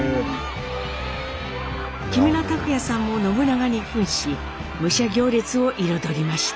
木村拓哉さんも信長にふんし武者行列を彩りました。